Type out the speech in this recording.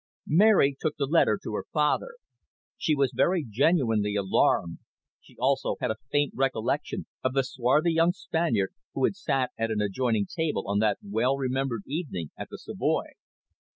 Mary took the letter to her father. She was very genuinely alarmed; she also had a faint recollection of the swarthy young Spaniard who had sat at an adjoining table on that well remembered evening at the Savoy.